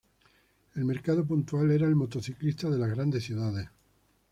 El mercado puntual era el motociclista de las grandes ciudades.